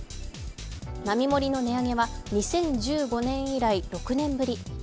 並盛りの値上げは２０１５年以来６年ぶり。